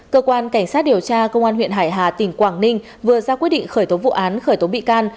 cơ quan cảnh sát điều tra công an huyện hải hà tỉnh quảng ninh vừa ra quyết định khởi tố vụ án khởi tố bị can